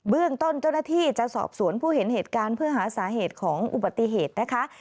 เรื่องต้นเจ้าหน้าที่จะสอบสวนผู้เห็นเหตุการณ์เพื่อหาสาเหตุของอุบัติเหตุนะคะ